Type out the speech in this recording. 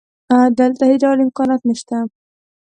دلته هېڅ ډول امکانات نشته